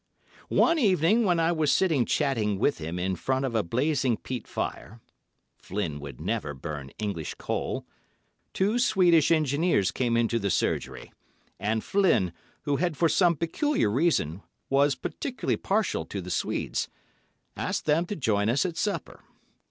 One evening, when I was sitting chatting with him in front of a blazing peat fire—Flynn would never burn English coal—two Swedish engineers came into the surgery, and Flynn, who, for some peculiar reason, was particularly partial to the Swedes, asked them to join us at supper.